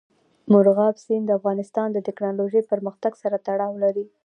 مورغاب سیند د افغانستان د تکنالوژۍ پرمختګ سره تړاو لري.